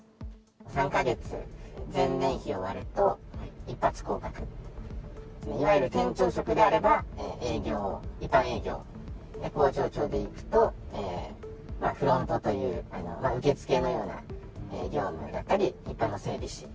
３か月、前年比を割ると一発降格。いわゆる店長職であれば、営業、一般営業、工場長でいくとフロントという、受け付けのような業務だったり、一般の整備士。